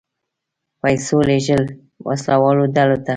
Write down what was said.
پیسو لېږل وسله والو ډلو ته.